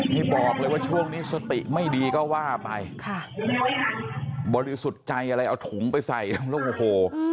นี่บอกเลยว่าช่วงนี้สติไม่ดีก็ว่าไปค่ะบริสุทธิ์ใจอะไรเอาถุงไปใส่แล้วโอ้โห